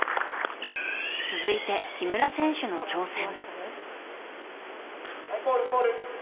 続いて、木村選手の挑戦。